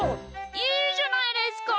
いいじゃないですか。